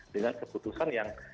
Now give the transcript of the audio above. dengan keputusan yang